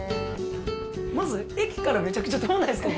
まず駅からめちゃくちゃ遠くないですか？